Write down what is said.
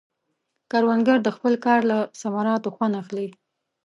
کروندګر د خپل کار له ثمراتو خوند اخلي